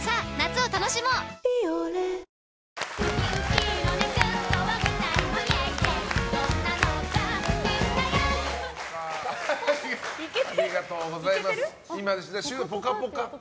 「ビオレ」ありがとうございます。